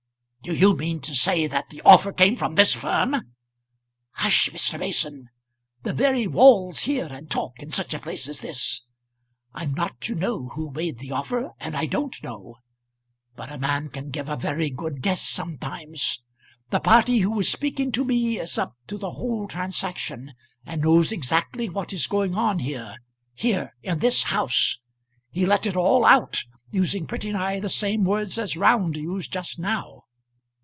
"Do you mean to say that the offer came from this firm?" "Hush sh, Mr. Mason. The very walls hear and talk in such a place as this. I'm not to know who made the offer, and I don't know. But a man can give a very good guess sometimes. The party who was speaking to me is up to the whole transaction, and knows exactly what is going on here here, in this house. He let it all out, using pretty nigh the same words as Round used just now.